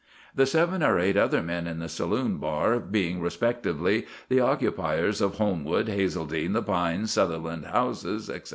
The seven or eight other men in the saloon bar being respectively the occupiers of Holmwood, Hazledene, The Pines, Sutherland House, etc.